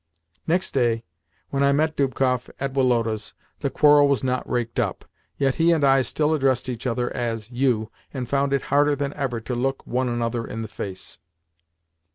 Next day, when I met Dubkoff at Woloda's, the quarrel was not raked up, yet he and I still addressed each other as "you," and found it harder than ever to look one another in the face.